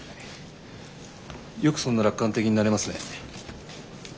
よくそんな楽観的になれますね。